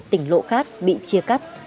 tỉnh lộ khác bị chia cắt